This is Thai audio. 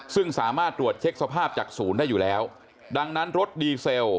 ซึ่งสามารถตรวจเช็คสภาพจากศูนย์ได้อยู่แล้วดังนั้นรถดีเซล